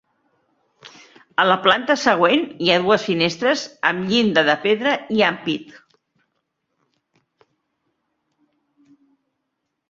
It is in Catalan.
A la planta següent hi ha dues finestres amb llinda de pedra i ampit.